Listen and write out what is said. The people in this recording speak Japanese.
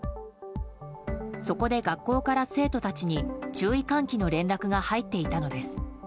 そこで学校から生徒たちに注意喚起の連絡が入っていたのです。